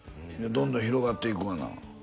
どんどん広がっていくがな。